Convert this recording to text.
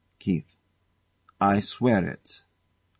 KEITH. I swear it.